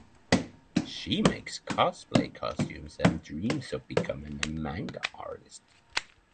She makes cosplay costumes and dreams of becoming a manga artist.